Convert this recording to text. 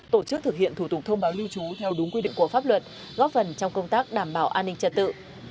tổ chức thực hiện thủ tục thông báo lưu trú theo đúng quy định của pháp luật góp phần trong công tác đảm bảo an ninh trật tự